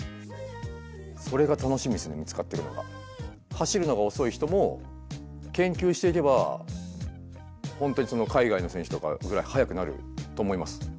走るのが遅い人も研究していけば本当に海外の選手とかぐらい速くなると思います。